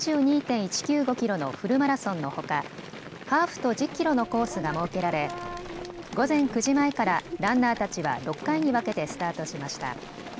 キロのフルマラソンのほかハーフと１０キロのコースが設けられ、午前９時前からランナーたちは６回に分けてスタートしました。